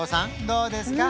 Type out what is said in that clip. どうですか？